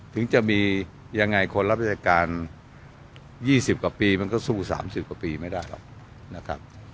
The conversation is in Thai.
ถึงจะมียังไงคนรับราชการ๒๐กว่าปีมันก็สู้๓๐กว่าปีไม่ได้หรอกนะครับ